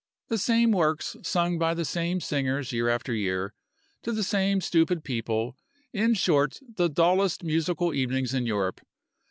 The same works, sung by the same singers year after year, to the same stupid people in short the dullest musical evenings in Europe.